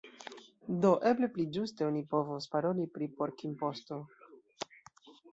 Do eble pli ĝuste oni povos paroli pri pork-imposto.